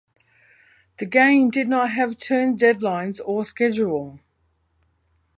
The game did not have turn deadlines or schedule.